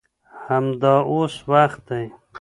همدا اوس وخت دی.